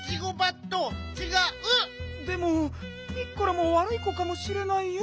でもピッコラもわるい子かもしれないよ。